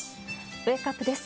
ウェークアップです。